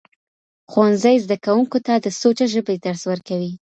ښوونځي زدهکوونکو ته د سوچه ژبې درس ورکوي.